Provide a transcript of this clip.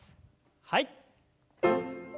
はい。